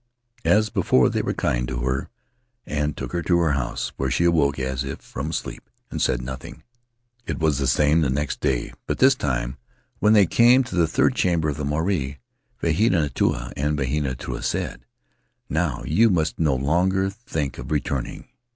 As before, they were kind to her and took her to her house, where she awoke as if from sleep, and said nothing. "It was the same the next day, but this time, when they had come to the third chamber of the marae, Vehinetua and Vivitautua said: 'Now you must no longer think of returning.